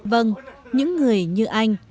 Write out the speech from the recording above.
vâng những người như anh